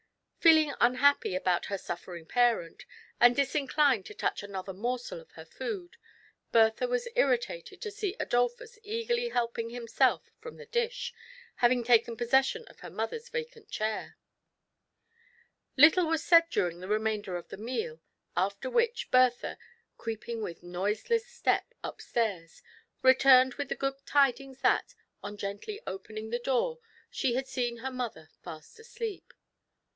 Feeling unhappy about her suffering parent, and dis inclined to touch another morsel of her food. Bertha was irritated to see Adolphus eagerly helping himself from the dish, having taken possession of her mother's vacant chair. TRIALS AND TROUBLES. 67 Little was said during the remainder of the meal, after which Bertha, creeping with noiseless step up stairs, re turned with the good tidings that, on gently opening the door, she had seen her mother fast asleep.